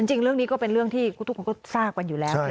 จริงเรื่องนี้ก็เป็นเรื่องที่ทุกคนก็ทราบกันอยู่แล้ว